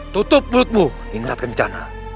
tutup mulutmu ingrat kencana